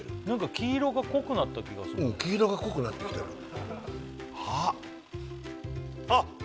なんか黄色が濃くなった気がするうん黄色が濃くなってきてるあっあっ